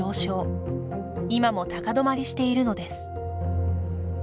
今も高止まりしているのです。